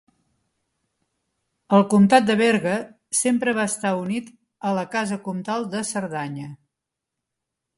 El comtat de Berga sempre va estar unit a la casa comtal de Cerdanya.